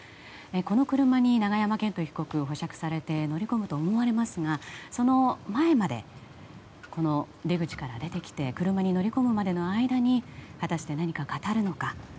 この車に永山絢斗被告、保釈されて乗り込むと思われますがその前まで、出口から出てきて車に乗り込むまでの間に果たして何か語るのか。